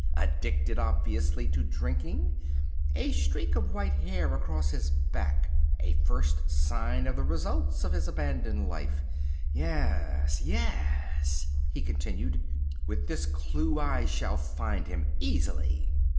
addicted obviously to drinking), a streak of white hair across his back (a first sign of the results of his abandoned life)—yes, yes," he continued, "with this clue I shall find him easily."